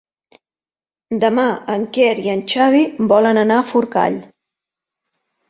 Demà en Quer i en Xavi volen anar a Forcall.